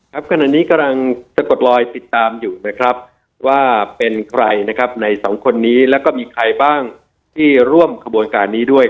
ขณะนี้กำลังสะกดลอยติดตามอยู่นะครับว่าเป็นใครนะครับในสองคนนี้แล้วก็มีใครบ้างที่ร่วมขบวนการนี้ด้วย